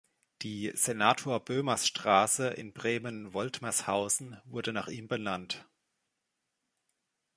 Die "Senator-Bömers-Straße" in Bremen-Woltmershausen wurde nach ihm benannt.